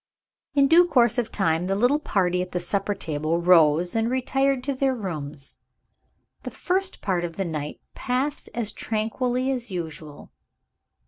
In due course of time the little party at the supper table rose, and retired to their rooms. The first part of the night passed as tranquilly as usual.